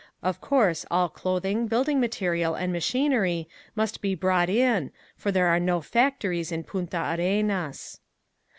Of course all clothing, building material and machinery must be brought in for there are no factories in Punta Arenas.